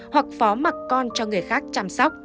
hoặc phó mặt con cho người khác chăm sóc